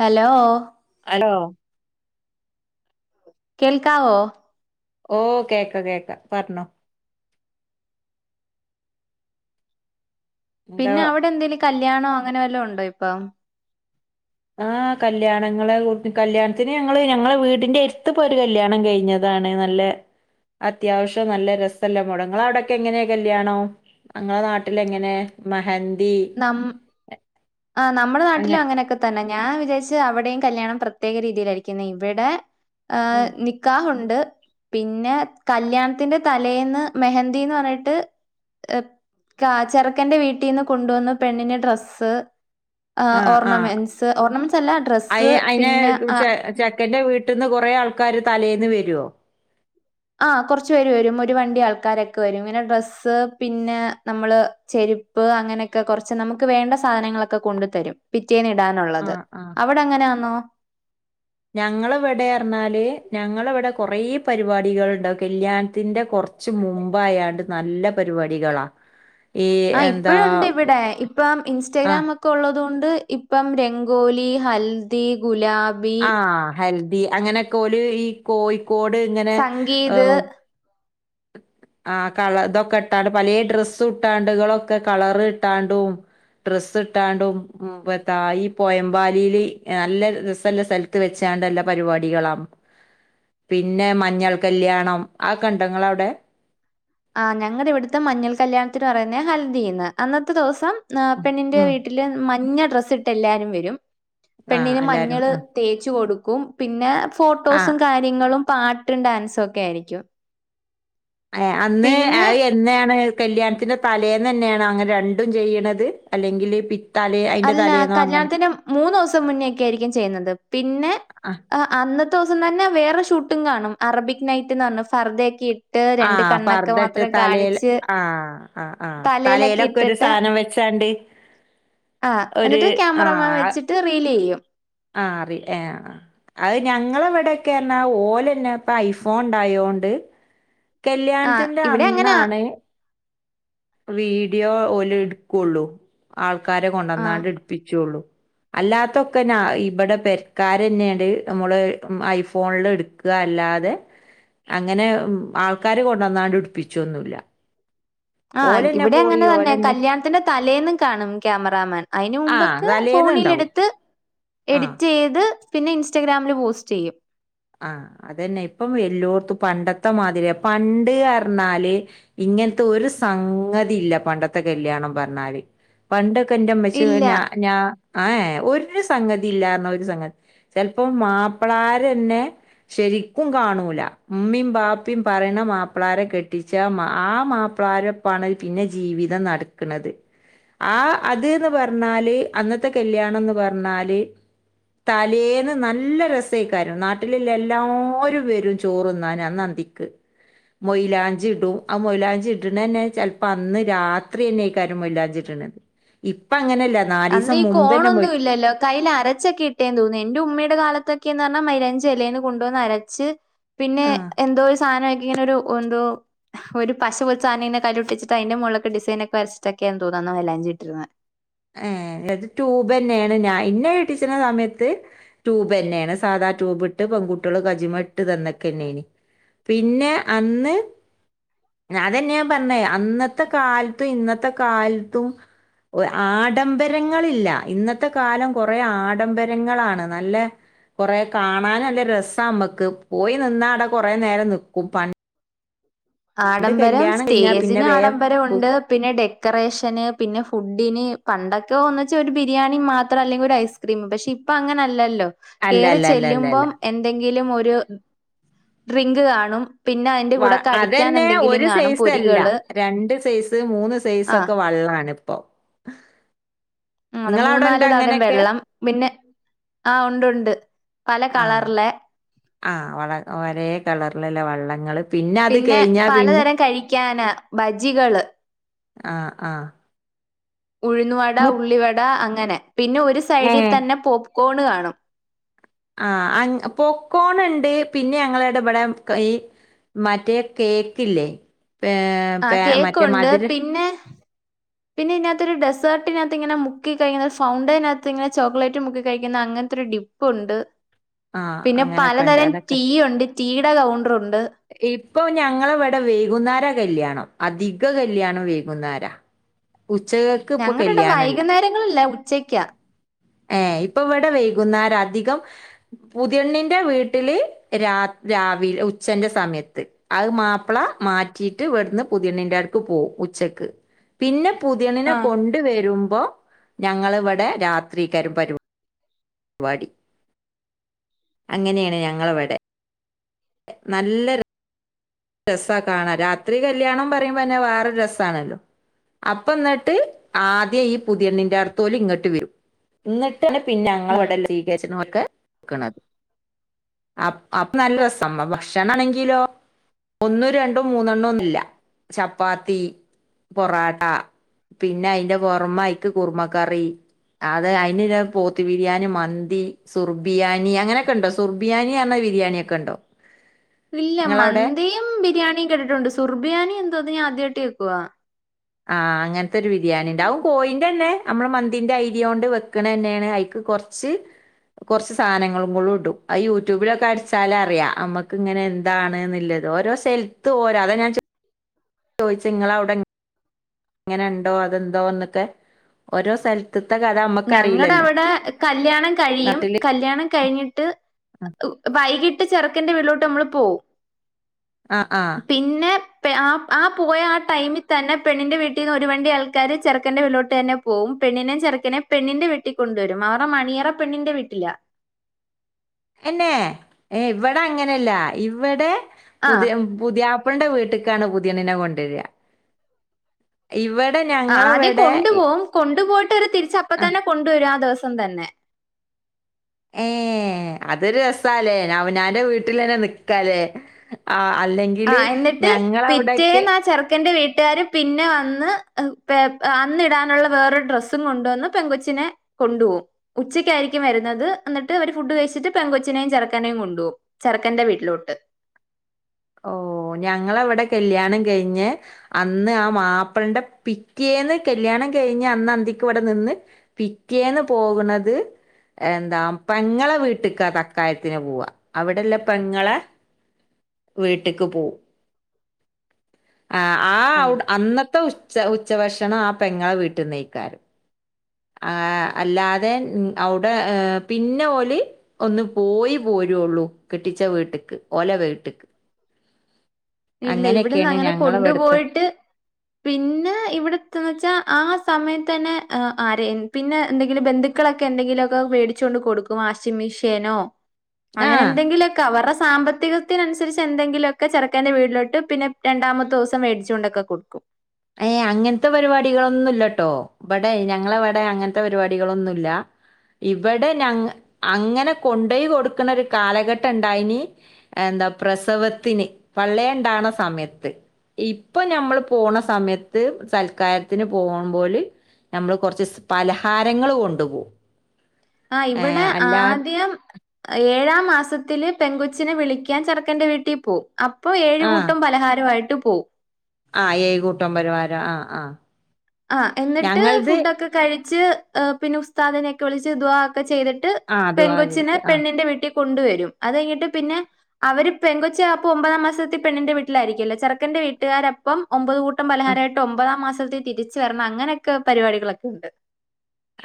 Hello hello കേൾക്കാവോ ഓ കേക്കാ കേക്കാ പറഞ്ഞോ എന്താ പിന്നെ അവിടെ എന്തേല്‌ കല്ല്യാണോ അങ്ങനെ വല്ലാം ഉണ്ടോ ഇപ്പൊ ആഹ് കല്യാണങ്ങള് കല്യാണത്തിന് ഞങ്ങള് ഞങ്ങളെ വീടിന്റെ എര്ത്ത് ഇപ്പോരു കല്യാണം കഴിഞ്ഞതാണ് നല്ല അത്യാവശ്യം നല്ല രസല്ലേ മോഡ നിങ്ങളെവിടൊക്കെങ്ങനെ കല്യാണം നിങ്ങളെ നാട്ടില് എങ്ങനെ മെഹ ന്തി ആ നമ്മളെ നാട്ടില് അങ്ങനൊക്കെ തന്നെ ഞാൻ വിചാരിച്ച് അവിടേം കല്യാണം പ്ര പ്രത്യേക രീതിയിലായിരിക്കുന്ന്‌ ഇവിടെ ആ നിക്കാഹുണ്ട് പിന്നേ കല്യാണത്തിന്റെ തലേന്ന് മെഹന്തീന്ന്റഞ്ഞിട്ട് കാ ചെറുക്കന്റെ വീട്ടിന്ന് കൊണ്ടുവന്ന് പെണ്ണിന് ഡ്രസ്സ് ആ ഓർണമെൻസ് ഓർണമെൻസ് അല്ല അയി ഡ്രസ്സ് പിന്ന ആ ട്ട്ന്ന് കൊറേ ആൾക്കാര് തലേന്ന് വരോ ആ കൊറച്ചു പേര് വരും ഒരു വണ്ടി ആൾക്കാരൊക്കെ വരും പിന്ന ഡ്രസ്സ് പിന്ന നമ്മള് ചെരിപ്പ് അങ്ങനക്കെ കൊറച്ച് നമുക്ക് വേണ്ട സാധനങ്ങളൊക്കെ കൊണ്ട് തരും പി റ്റേന്ന് ഇടാനുള്ളത് അവിടെ അങ്ങനാന്നോ? ഞങ്ങളിവിടെറഞ്ഞാല് ഞങ്ങളിവിടെ കൊറെ പരിപാടികള്ണ്ടാവും കല്യാണത്തിന്റെ കൊറച്ച് മുമ്പായാണ്ട് നല്ല പരിപാടികളാ ഈ ആ എന്താ ഇപ്പഴൊണ്ട് ഇവിടെ ഇപ്പം ആഹ് ഇൻസ്റ്റാഗ്രാം ഒക്കെ ഒള്ളതു കൊ ണ്ട് ഇപ്പം രംഗോലി ഹൽദി ഗുലാ ആ ഹൽ ദീ അങ്ങനെക്കോല് ഈ കോയി ക്കോട് ഇങ്ങനെ ഹ് സംഗീത് ആഹ് കള ഇതൊക്കെ ഇട്ടാണ്ട് പലേ ഡ്രസ്സ്‌ ഇട്ടാണ്ടുകളൊക്കെ കളർ ഇട്ടാണ്ടും ഡ്രസ്സ് ഇട്ടാണ്ടും മ്മ് [unintelligible] ഈ പോയമ്പാലീല് നല്ല രസല്ലേ സ്ഥലത്ത് വെച്ചാണ്ട് എല്ലാ പരിപാടികളാ പിന്നെ മഞ്ഞൾ കല്യാണം അതൊക്കെണ്ടോ ഇങ്ങളൊ ടെ ആ ഞങ്ങട ഇവിട്ത്തെ മഞ്ഞൾ കല്യാണത്തിന് റയുന്ന ഹൽദിന്ന് അന്നത്തേ ദിവസം ആ പെണ്ണിന്റെ ഉം വീട്ടില് മഞ്ഞ ഡ്രസ്സ്‌ ഇട്ട് എല്ലാരും വരും ആഹ് പെണ്ണിന് എല്ലാരും മഞ്ഞള് ആഹ് തേച്ചു കൊടു കും പിന്നെ ആഹ് ഫോട്ടോസും കാര്യങ്ങളും പാട്ടും ഡാൻസും ഒക്കെ ആയിരിക്കും ഏ അന്ന് ആ പിന്നെ എന്നേണ് കല്യാണത്തിന്റെ തലേന്ന് തന്നെയാണ് അങ്ങനെ രണ്ടും ചെയ്യണത് അല്ലെങ്കിൽ പി തലേ അയിന്റെ അല്ല തലേന്നോ അങ്ങനെ കല്യാണത്തിന്റെ മൂന്ന് ദിവസം മുന്നേക്കെ ആയിരിക്കും ചെയ്യുന്നത് പിന്നെ ആഹ് അന്ന ദിവസം തന്നെ വേറെ ഷൂട്ടും കാണും അറബിക് നയ്റ്റിന്റെന്ന് ഫർദെ ആ പർദിട്ട് തലേൽ ആ ആ ആ തലയിലൊക്കെ തലേലൊക്കെ ഒരു സാധനം വെച്ചാണ്ട് ആ ഒരു എന്നിട്ട് ക്യാമറാമ്മ വെച്ചിട്ട് റീൽ ചെയ്യും ആ അറി ഏ ആ അത് ഞങ്ങളവിടെക്കെ എന്നാ ഓലന്നെ ഇപ്പ ഐഫോൺ ഉണ്ടായോണ്ട് ആഹ് കല്യാണത്തിന്റെ ഇവിടെ അങ്ങനാ. അന്നാണ് വീഡിയോ ഓലു എടുക്കുള്ളൂ ആൾ - ക്കാരെ ആഹ്. കൊണ്ടുവന്നാണ്ട് എടുപ്പിച്ചെയുള്ളൂ അല്ലാത്തൊക്കെ ഞാ ഇവിടെ പെരക്കാര് തന്നെയാണ്ട് നമ്മള് ഐഫോണില് എടുക്കുക അല്ലാതെ അങ്ങനെ ആൾക്കാരെ കൊണ്ടുവന്നാണ്ട് എടുപ്പിച്ചോന്നുല്ല ആ ഇവിടെ അങ്ങനെ തന്നെ കല്യാണത്തിന്റെ തലേന്നും കാണും ക്യാമറാമാൻ അയിന് ആ മുമ്പൊക്കെ തലേന്നുണ്ടാവും ഫോണിലെടുത്ത് ആ എഡിറ്റ് ചെയ്ത് പിന്നെ ഇൻസ്റ്റാഗ്രാമില് പോസ്റ്റ് ചെയ്യും ആ അതന്നെ ഇപ്പം എല്ലോർത്തും പണ്ടത്തെ മാതിരിയാ പണ്ട് പറഞ്ഞാല് ഇങ്ങനത്തെ ഒരു സംഗതി ഇല്ല പണ്ടത്തെ കല്യാണം പറഞ്ഞാല് പണ്ട് ക്കെ എൻ്റെമ്മച്ചി ഇല്ല. ഞാ ഞാ ആ ഏ ഒരു സംഗതി ഇല്ലാരുന്നു ഒരു സംഗതി ചിലപ്പോ മാപ്പിള്ളാരുത്തന്നെ ശരിക്കും കാണൂല ഇമ്മിയും ബാപ്പിയും പറയുന്ന മാപ്പിളാര കെട്ടിച്ച ആ മാപ്പിളാര ഒപ്പാണ് പിന്നെ ജീവിതം നടക്കണത് ആ അതന്ന് പറഞ്ഞാല് അന്നത്തെ കല്യാണം എന്ന് പറഞ്ഞാല് തലേന്ന് നല്ല രസയ്ക്കാരം നാ ട്ടില്ലാ എല്ലാരും വരും ചോറ് തിന്നാൻ അന്ന് അന്തിക്ക് മൊയ്- യ്ലാഞ്ചി ഇടും ആ മൊയ്ലാഞ്ചി ഇടണ തന്നെ ചിലപ്പോ അന്ന് രാത്രി തന്നെ ആയിരിക്കും മൊയ്ലാഞ്ചി ഇടണേ ഇപ്പം അങ്ങനെയല്ല നാല് അന്ന് ദിവസം ഈ മുമ്പന്നെ മൊയ് കോണൊന്നും ഇല്ലല്ലോ. കയ്യിൽ ക്കെന്ന് പറഞ്ഞാ മൈലാഞ്ചി ഇലെന്ന് കൊണ്ടുവന്ന് അരച്ച് പിന്നെ ആ എന്തോ ഒരു സാനം അ- ഇങ്ങനൊരു ഒന്തോ ഒരു പശ പോലത്തെ സാനം ഇങ്ങനെ കൈയില് ഒട്ടിച്ചട്ട് അതിന്റെ മുകളിലൊക്കെ ഡിസൈനൊക്കെ വരച്ചിട്ടൊക്കെയാന്ന് തോന്നുന്നു അന്ന് മൈലാഞ്ചി ഇട്ടിരുന്നെ ഏ അത് ട്യൂബ് തന്നെയാണ് ഞാ എന്നെ കെട്ടിച്ചുന്ന സമയത്ത് ട്യൂബ് തന്നെയാണ് സാധാ ട്യൂബ് ഇട്ട് പെൺകുട്ടികള് കൈയ്യുമേ ഇട്ട് തന്നൊക്കെ ആയിനി പിന്നെ അന്ന് അതന്നെയാ ഞാൻ പറഞ്ഞേ അന്നത്തെ കാലത്തും ഇന്നത്തെ കാലത്തും ഓ ആഡംബരങ്ങളില്ല ഇന്നത്തെ കാലം കൊറേ ആഡംബരങ്ങളാണ് നല്ല കൊറേ കാണാൻ നല്ല രസ നമ്മക്ക് പോയി നിന്നാ അവിടെ കുറേ നേരം നിക്കും പണ്ട് ആഡംബരം കല്യാണം കഴിഞ്ഞാൽ പിന്നെ സ്റ്റേജിന് വേഗം പു- ആഡംബരവൊണ്ട് പിന്നെ ഡെക്കറേഷന് പിന്നെ ഫുഡിന് പണ്ടൊക്കെ ഒന്നുവെച്ചാ ഒരു ബിരിയാണി മാത്രം അല്ലെങ്കിൽ ഒരു ഐസ്ക്രീം പക്ഷെ ഇപ്പം അങ്ങനെ അല്ലല്ലോ അല്ല കേറി അല്ല അല്ല അല്ല അല്ല ചെല്ലുമ്പോം എന്തെങ്കി ങ്കിലും ഒരു ഡ്രിങ്ക് കാണും പിന്നെ അതിന്റെ കൂടെ കടി പിന്നെ ഒര് സൈസ് അല്ല രണ്ട് സൈസ് മൂന്ന് സൈസ് ആഹ് ഒക്കെ വള്ളാണ് ഇപ്പൊ മൂന്ന് നിങ്ങളവിടെ മൂന്നാൽ ഉണ്ടോ തരം അങ്ങനെയൊക്കെ വെള്ളം പിന്നെ ആ ഉണ്ട് ഉണ്ട് പല ആ കളർലെ ആ വള ഒരേ കളർൽ ഇല്ലെ വള്ളങ്ങൾ പിന്നെ പലതരം കഴിക്കാന ബജ്ജികള് ആ ആ ഉഴുന്നുവട മു ഉള്ളിവട അങ്ങ് അങ്ങനെ പിന്നെ ഒരു ഏ സൈഡി തന്നെ പൊത് കോണ് കാണും ആ അ പോപ്കോൺ ഇണ്ട് പിന്നെ ഞങ്ങളെട ഇവിടെ ഈ മറ്റേ കേക്ക് ഇല്ലേ ആ കേക്കൊണ്ട് പിന്നെ പിന്നെ ഈനാത്തൊരു ഡെസേർട്ടിനാത്ത് ഇങ്ങനെ മുക്കി കഴിക്കുന്ന സൗണ്ടേനാത്ത് ഇങ്ങനെ ചോക്ലേറ്റ് മുക്കി കഴിക്കുന്ന അങ്ങനത്തെ ഒരു ഡിപ്പുണ്ട്. ആ അങ്ങനെയൊക്കൊ ഇണ്ട് അതൊക്കെ ഉണ്ട് ടീയുടെ കൗണ്ടറുണ്ട് ഇപ്പൊ ഞങ്ങളെ ഇവിടെ വെയ്കുന്നേരാ കല്യാണം. അധിക കല്യാണം വെയ്കുന്നേരാ ഞങ്ങടെ ഈടെ വൈകുന്നേരങ്ങളില്ല ഉച്ച് ഉച്ചയ്ക്കാ ഏ ഇപ്പൊ ഇവിടെ വെയ്കുന്നേരാ അധികം പുതിയണ്ണിന്റെ വീട്ടില് രാത് രാവിലെ ഉച്ചന്റെ സമയത്ത് അത് മാപ്പിള മാറ്റിട്ട് ഇവിടുന്ന് പുതിയണ്ണിന്റെ ആടക്ക് പോകും ഉച്ചക്ക് പിന്നെ പുതിയണ്ണിനെ ആഹ് കൊണ്ട് വരും അപ്പോം ഞങ്ങളിവിടെ രാത് ത്രീക്കാരും പരും പാടി അങ്ങനെയാണ് ഞങ്ങളെ ഇവിടെ നല്ലൊര് രസാ കാണാൻ രാത്രി കല്യാണം പറയുമ്പോന്നെ വേറൊരു രസാണല്ലോ. അപ്പം ഇന്നിട്ട് ആദ്യ ഈ പുതിയെണ്ണിന്റെ അടുത്തോല് ഇങ്ങട്ട് വരും ഇന്ന് ത്ത് പിന്നെ ഉം ഞങ്ങളവിടെ സീകര്ച്ച്നോൽക് ക്കണത് അപ്പ് അപ്പൊം നല്ല രസാ സം ഭക്ഷണം ആണെങ്കിലോ ഒന്നു രണ്ടും മൂന്നെണ്ണോ ന്നുഇല്ല ചപ്പാത്തി പൊറാട്ട പിന്നെ അയിന്റെ പൊർമ ഐക്ക് കുറുമക്കറി അത് അയിന് പോത്ത് ബിരിയാണി മന്തി സുർബിയാനി അങ്ങനെയൊക്കെണ്ടോ സുർബിയാനി ന്ന് പറഞ്ഞ ബിരിയാണ ഒക്കെയുണ്ടോ ങ്ങളാവിടെ രിയാണി കേട്ടിട്ടുണ്ട് സുർബിയാനി എന്തോന്ന് ഞാൻ ആദ്യായിട്ട് കേക്കുവാ ആ അങ്ങനെത്തൊരു ബിരിയാണി ണ്ട് ഔ കോയിന്റെന്നെ അമ്മളെ മന്തിന്റെ അയ്രിയോണ്ട് വെക്ക്ണെന്നെയാണ് അയ്ക്ക് കൊർച്ച് കൊറച്ച് സാനങ്ങളും ങ് ഇടും അത് യൂട്യൂബിലൊക്കെ അടിച്ചാലറിയാ അമ്മക്ക്ങ്ങനെ എന്താണ്ന്ന്ള്ളത് ഓരോ സെൽത്തും ഓരാ അത് ഞാൻ ചോ ചോയിച്ചെ ങ്ങള വിടെ എങ്ങനെ ഉണ്ടോ അതെന്തോന്നൊക്കെ ഓരോ സ്ഥലത്ത് ഞങ്ങടെ അവിടെ കല്യാണം കഴിയും നാട്ടില് കല്യാണം കഴിഞ്ഞിട്ട് ഊ വൈകി ട്ട് ചെർക്കന്റെ വിട്ട്ലോട്ട് അമ്മള് പോവും ആ ആ പിന്നെ പ്പെ ആ ആ പൊയ്യാ ആ ടൈംമി തന്നെ പെണ്ണിൻ്റെ വീട്ടിന്ന് ഒരു വണ്ടി ആൾക്കാര് ചെർക്കൻ്റെ വീട്ടിലോട്ടെന്നെ പോവും പെണ്ണിനെ ചെറുക്കനെ പെണ്ണിന്റെ വീട്ടിൽ കൊണ്ടൊരും അവർടെ മണിയറ പെണ്ണിന്റെ വീട്ടിലാ എന്നെ ഏ ഇവിടെ അങ്ങനെയല്ല ഇവിടെ ആ പുതിയം പുതിയാ ഇവന്റെ വീട്ടിക്കാണ് പുതിയണ്ണിനെ കൊണ്ടെരാ ആ ആദ്യം കൊണ്ടു പോവും കൊണ്ടുപോയിട്ട് ഓര് തിരിച്ച് ആ അപ്പതന്നെ കൊണ്ടുവരും ആ ദിവസം ത്തം തന്നെ ഏ അതൊരു രസാല്ലേ അവനാന്റെ വീട്ടിലന്നെ നിക്കാലേ ആ ആ അല്ലെങ്കില് എന്നിട്ട് ഞങ്ങളവിടൊക്കെ പിറ്റേന്നാ ചെർക്കന്റെ വീ ട്ടാര് പിന്നെ വന്ന് പെ അന്ന് ഇടാനുള്ള വേറൊരു ഡ്രെസ്സും കൊണ്ടൊന്ന് പെൺങ്കൊച്ചിനെ കൊണ്ടുപോവും ഉച്ചക്കായിരിക്കും വരുന്നത് എന്നിട്ട് ഇവര് ഫുഡ് കഴിച്ചിട്ട് പെൺങ്കൊച്ചിനെയും ചെറുക്കനെയും കൊണ്ടോവും ചെറുക്കന്റെ വീട്ടിലോട്ട് ഓ ഞങ്ങളിവിടെ കല്യാണം കയിഞ്ഞെ അന്ന് ആ മാപ്പിൾന്റെ പിറ്റേന്ന് കല്യാണം കയിഞ്ഞ് അന്ന് അന്തിക്ക് ഇവിടെ നിന്ന് പിറ്റേന്ന് പോവ്ണത് എന്താ പെങ്ങളെ വീട്ട്ക്കാ തക്കായത്തിന് പോവാ അവിടെ ഇള്ള പെങ്ങളെ വീട്ട്ക്ക് പോവും ആ ആ ആഹ് അവുടെ അന്ന് ത്തു ഉച്ച ഉച്ചഭക്ഷണാ പെങ്ങളെ വീട്ടിന്നെയ്ക്കാരം ആ അല്ലാതെ അവുടെ പിന്നെ ഓല് ഒന്ന് പോയി പോരൊള്ളൂ കെട്ടിച്ച വീട്ട്ക്ക് ഓലെ വീ ഇല്ല ഇവിടുന്ന് അങ്ങനെയൊക്കെയാണ് അങ്ങനെ ഞങ്ങളെ ഇവിടുത്തെ കൊണ്ടുപോയിട്ട് പിന്നെ ഇവിടെത്ത്ന്ന് വെച്ചാ ആസ് സമയത്തന്നെ ഹ് ആരെ പിന്നെ എന്തെങ്കിലും ബന്ധുക്കളൊക്കെ എന്തെങ്കിലൊക്കെ മേടിച്ചു കൊണ്ട് കൊടുക്കും വാഷിംഗ്‌ മെഷ്യനോ ആ അങ്ങനെ എന്തെങ്കിലൊക്കെ അവരെ സാമ്പത്തിക ത്തിനനുസരിച്ച് എന്തെങ്കിലൊക്കെ ചെർക്കന്റെ വീട്ടിലോട്ട് പിന്നെ രണ്ടാമത്തൊസം മേടിച്ചുണ്ടൊക്കെ കൊടുക്കും ഏ അങ്ങനത്തെ പരിപാടികളൊന്നുംല്ലട്ടോ ബടെ ഞങ്ങളെവിടെ അങ്ങനത്തെ പരിപാടികളൊന്നുല്ല ഇവിടെ ഞങ്ങ അങ്ങനെ കൊണ്ടോയി കൊടുക്കണ ഒരു കാലഘട്ടം ഇണ്ടായിനി എന്താ പ്രസവത്തിന് പള്ളെ ഉണ്ടാണ സമയത്ത് ഇപ്പൊ ഞമ്മൾ പോണ തമയത്ത് സൽക്കാരത്തിന് പോകുമ്പോല് നമ്മൾ കുറച്ച് പലഹാരങ്ങൾ കൊണ്ടു പോകും ആ ഇവിടെ ആദ്യം ഏഴാം മാസത്തിൽ പെൺ കൊച്ചിനെ വിളിക്കാൻ ചെർക്കന്റെ വീട്ടിൽ പോവും അപ്പൊ ഏഴ് കൂട്ടം പലഹാരവായിട്ട് പോ ആ ഏകൂട്ടം പലഹാരം ആ ആ ആ എന്നിട്ട് ഫുഡൊക്കെ കഴി ച്ച് പിന്നെ ഉസ്താദിനെയൊക്കെ വിളിച്ച് ദുആ ക്കെ ചെയ്തിട്ട് ആഹ് പെൺ ദുആ കൊച്ചിനെ ചെയ്ത്. ആഹ്. പെണ്ണിന്റെ വീട്ടി കൊണ്ടു വരും അത് കഴിഞ്ഞിട്ട് പിന്നെ അവര് പെൺ കൊച്ച് അപ്പോ ഒമ്പതാം മാസത്തി പെണ്ണിന്റെ വീട്ടിലായിരിക്കല്ലോ ചെർക്കന്റെ വീട്ടുക്കാര് അപ്പം ഒമ്പത് കൂ ട്ടം പലഹാരായിട്ട് ഒമ്പതാം മാസം ച്ച് വരണം അങ്ങനെയെക്കെ പരിവാടികളൊക്കെ ഇണ്ട്.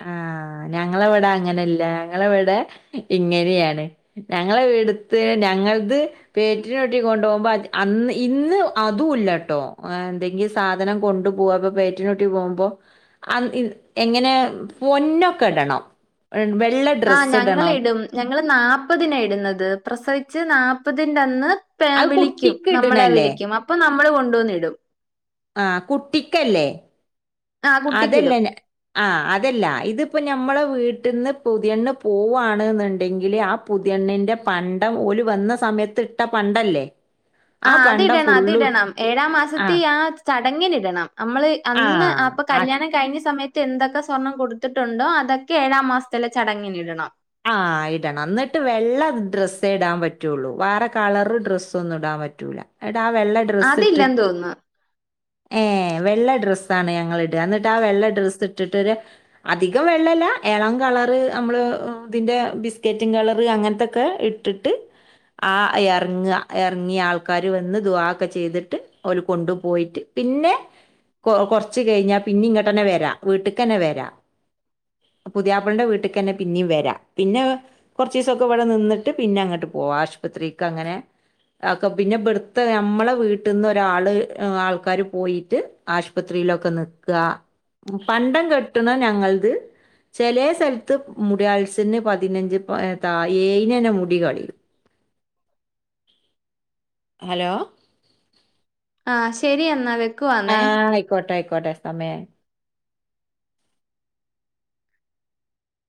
ആ ഞങ്ങളെവിടെ അങ്ങനെല്ല ഞങ്ങളെവിടെ ഇങ്ങനെയാണ്. ഞങ്ങളെ ഇവിടുത്ത് ഞങ്ങൾത് പേറ്റിനൂട്ടി കൊണ്ടൊവുമ്പോ അന്ന് ഇന്ന് അതുല്ലട്ടോ ഏ എന്തെങ്കിം സാധനം കൊണ്ടു പോവ് അപ്പ പേറ്റിനൂട്ടി പോവുമ്പോ അ ഇന് എങ്ങനെ പൊന്നൊക്കെടണം. ആ ഞങ്ങൾ ഇടും ഞങ്ങള് നാപ്പതിനാ ഇടുന്നത് പ്രസവിച്ച് നാ പ്പതിൻ്റെ അന്ന് പെ അത് വിളിക്കും കുട്ടിക്ക് നമ്മളെ ഇട്ണല്ലേ? വിളിക്കും അപ്പൊ ന നമ്മള് കൊണ്ടുവന്നിടും ആ കുട്ടിക്കല്ലേ ആഹ് അതല്ല കുട്ടിക്കിടും. ന ആ അതല്ല ഇതിപ്പ ഞ നമ്മളെ വീട്ടിന്ന് പുതിയെണ്ണ് പോവാണ് ന്ന്ണ്ടെങ്കില് ആ പുതിയെണ്ണിന്റെ പണ്ടം ഓല് വന്ന സമയത്ത് ഇട്ട പണ്ടല്ലേ ആ പണ്ടം അതിടണം ഫുള്ളും ഇട് അതിടണം ഏഴാം മാസത്തെ ആ ചടങ്ങിന് ഇടണം നമ്മള് ആ അന്ന് അപ്പ അച് കല്ല്യാണം കഴിഞ്ഞ സമയ എന്തൊക്കെ സ്വർണ്ണം കൊടുത്തിട്ടുണ്ടോ അതൊക്കെ ഏഴാം മാസത്തിലെ ചടങ്ങിൻ ഇടണം ആ ഇടണം എന്നിട്ട് വെള്ള ഡ്രസ് ഇടാൻ പറ്റുള്ളൂ വേറെ കളർ ഡ്രസ്സ് ഒന്നും ഇടാൻ പറ്റൂല ആ വെള്ള ഡ്രെസ്സ് അതില്ലെന്ന് ഇട്ടിട്ട് തോന്നുന്നു. ഏ വെള്ള ഡ്രസ്സാണ് ഞങ്ങിൾ ഇട എന്നിട്ട് ആ വെള്ള ഡ്രെസ്സ് ഇട്ടിട്ട് ഒരു അധികം വെള്ളല്ല ഏളം കളറ് നമ്മള് അതിൻ്റെ ബിസ്കറ്റും കളറ് അങ്ങനത്തൊക്കെ ഇട്ടിട്ട് ആ ഇറങ്ങുക ഇറങ്ങിയ ആൾക്കാർ വന്ന് ദുആ ഒക്കെ ചെയ്തിട്ട് അവർ കൊണ്ടു പോയിട്ട് പിന്നെ കുറച്ച് കഴിഞ്ഞാൽ പിന്നെ ഇങ്ങോട്ട് തന്നെ വരാം വീട്ടിൽക്ക് തന്നെ വരാം പുതിയാപ്പളൻ്റെ വീട്ടക്ക് തന്നെ പിന്നെയും വരാം പിന്നെ കൊറച്ചിസൊക്കെ ഇവിടെ നിന്നി ട്ട് പിന്നെ അങ്ങട്ട് പോക ആശുപത്രിക്ക് അങ്ങനെ ഒക്കെ പിന്നെ വെടുത്ത നമ്മളെ വീട്ടിന്ന് ഒരാള് ആൾക്കാർ പോയിട്ട് ആശ് പത്രിയിലൊക്കെ നിൽക പണ്ട കെട്ട ട്ട്ണ് ഞങ്ങല്ത് ചില സ്ലത്ത് മു പതിനഞ്ച് ത ഏനന്നെ മുടി കളും ഹലോ ആ ശരി എ നത് നിക്കുവന്നേ കോട്ടെ സമയ